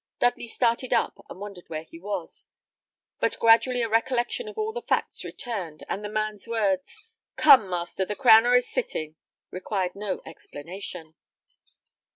Dudley started up, and wondered where he was; but gradually a recollection of all the facts returned; and the man's words: "Come, master, the crowner is sitting," required no explanation.